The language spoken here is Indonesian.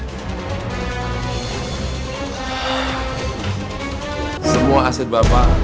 oh menurutmu dia benar benar pun itu